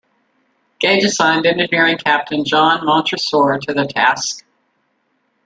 Gage assigned Engineering Captain John Montresor to the task.